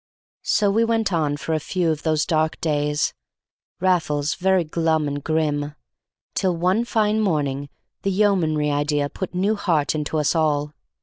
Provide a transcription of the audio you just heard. So we went on for a few of those dark days, Raffles very glum and grim, till one fine morning the Yeomanry idea put new heart into us all.